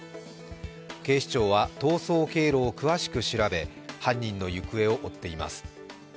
警視庁は逃走経路を詳しく調べ犯人の行方を追っています。